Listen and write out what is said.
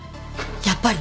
やっぱり！